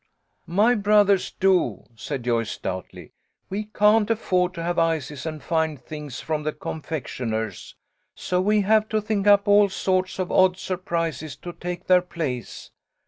"My brothers do," said Joyce, stoutly. "We can't afford to have ices and fine things from the A FEAST OF SAILS. 99 confectioner's, so we have to think up all sorts of odd surprises to take their place.